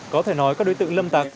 có thể nói các đối tượng lâm tạc